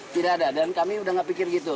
tidak ada dan kami udah nggak pikir gitu